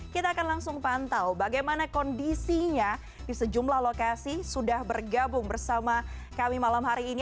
kita akan langsung pantau bagaimana kondisinya di sejumlah lokasi sudah bergabung bersama kami malam hari ini